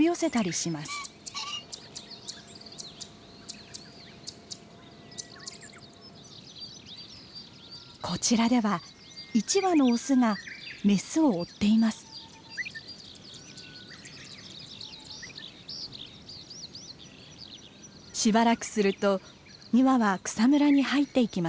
しばらくすると２羽は草むらに入っていきました。